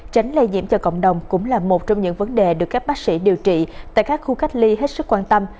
tránh lây nhiễm cho cộng đồng cũng là một trong những vấn đề được các bác sĩ điều trị tại các khu cách ly hết sức quan tâm